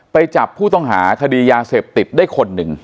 จับผู้ต้องหาคดียาเสพติดได้คนหนึ่ง